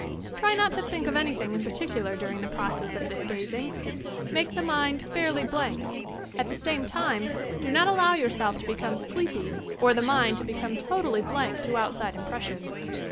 Try not to think of anything in particular during the process of this gazing; make the mind fairly blank, at the same time do not allow yourself to become sleepy or the mind to become totally blank to outside impres sions.